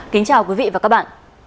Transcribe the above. kính chào quý vị và các bạn